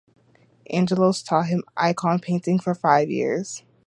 Angelos taught him icon painting for five years.